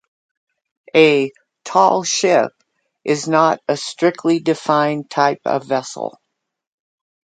A "Tall ship" is not a strictly defined type of vessel.